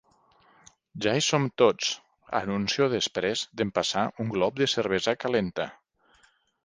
Ja hi som tots! —anuncio després d'empassar un glop de cervesa calenta.